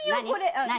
何？